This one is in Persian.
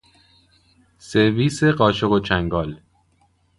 سرویس قاشق و چنگال